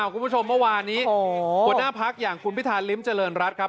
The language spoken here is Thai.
คุณผู้ชมเมื่อวานนี้หัวหน้าพักอย่างคุณพิธาริมเจริญรัฐครับ